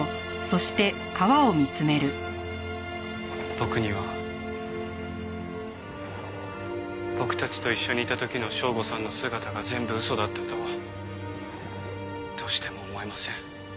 僕には僕たちと一緒にいた時の省吾さんの姿が全部嘘だったとはどうしても思えません。